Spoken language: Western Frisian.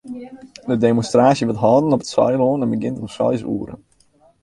De demonstraasje wurdt hâlden op it Saailân en begjint om seis oere.